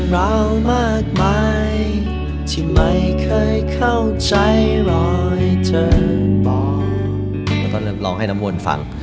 แล้วก็เริ่มร้องให้น้ำวนฟัง